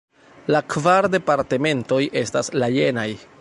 La kvar departementoj estas la jenaj:.